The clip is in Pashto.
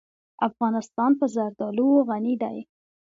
افغانستان په زردالو غني دی.